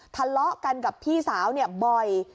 ทะเลาะกันกับพี่สาวบ่อย